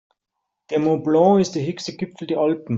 Der Mont Blanc ist der höchste Gipfel der Alpen.